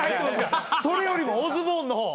それよりもオズボーンの方。